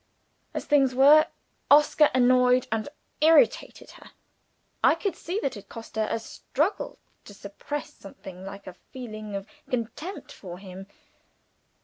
As things were, Oscar annoyed and irritated her. I could see that it cost her a struggle to suppress something like a feeling of contempt for him.